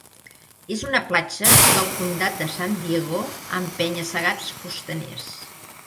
És una platja del comtat de San Diego amb penya-segats costaners.